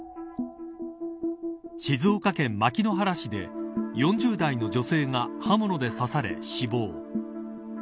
静岡県牧之原市で４０代の女性が刃物で刺され死亡。